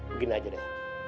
begini aja deh